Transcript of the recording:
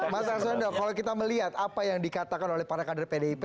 mas arswendo kalau kita melihat apa yang dikatakan oleh para kader pdip